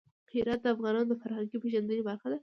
هرات د افغانانو د فرهنګي پیژندنې برخه ده.